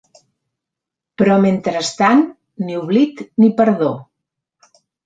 Però mentrestant, ni oblit ni perdó.